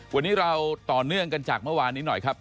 วันนี้เราต่อเนื่องกันจากเมื่อวานนี้หน่อยครับ